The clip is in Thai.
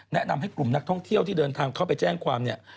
แนะนำให้กลุ่มนักท่องเที่ยวที่เดินทางเข้าไปแจ้งความเนี่ย